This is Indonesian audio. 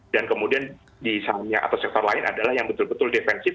dan kemudian di sahamnya atau sektor lain adalah yang betul betul defensif